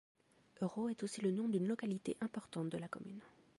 Erro est aussi le nom d'une localité importante de la commune.